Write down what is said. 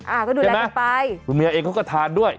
อ่าก็ดูแลกันไปคุณเมียเองเขาก็ทานด้วย